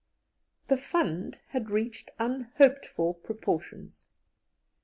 The fund had reached unhoped for proportions.